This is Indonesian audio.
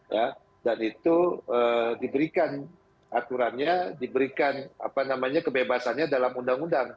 ya dan itu diberikan aturannya diberikan apa namanya kebebasannya dalam undang undang